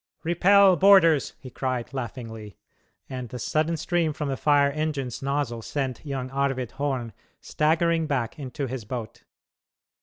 "Repel boarders!" he cried, laughingly, and the sudden stream from the fire engine's nozzle sent young Arvid Horn staggering back into his boat.